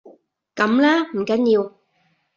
噉啦，唔緊要